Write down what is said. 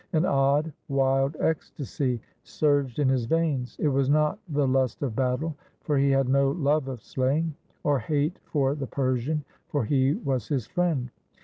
An odd, wild ecstasy surged in his veins. It was not the lust of battle, for he had no love of slaying, or hate for the Persian, for he was his friend.